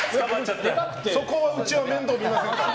そこはうちは面倒見ませんから。